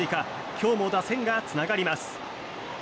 今日も打線がつながります。